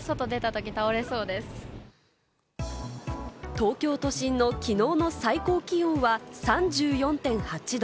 東京都心のきのうの最高気温は３４．８度。